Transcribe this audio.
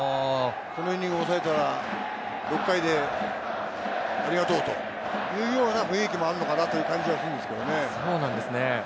このイニングを抑えたら６回でありがとうというような雰囲気もあるのかなという感じがするんですよね。